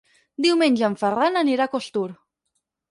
Diumenge en Ferran anirà a Costur.